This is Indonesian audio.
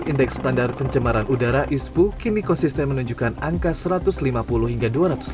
indeks standar pencemaran udara ispu kini konsisten menunjukkan angka satu ratus lima puluh hingga dua ratus enam puluh